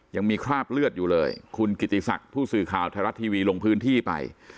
ยังมีคราบเลือดอยู่เลยคุณกิติศักดิ์ผู้สื่อข่าวไทยรัฐทีวีลงพื้นที่ไป